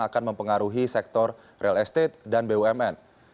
akan mempengaruhi sektor real estate dan bumn